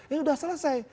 ini sudah selesai